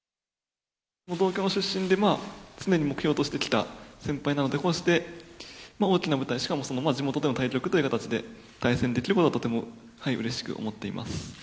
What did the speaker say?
同郷の出身で、常に目標としてきた先輩なので、こうして大きな舞台、しかも地元での対局という形で、対戦できることはとてもうれしく思っています。